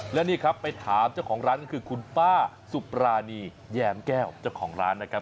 และนี่ครับไปถามเจ้าของร้านก็คือคุณป้าสุปรานีแยมแก้วเจ้าของร้านนะครับ